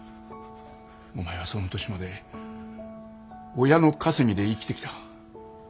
お前はその年まで親の稼ぎで生きてきた。